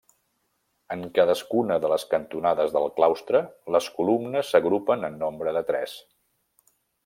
En cadascuna de les cantonades del claustre les columnes s'agrupen en nombre de tres.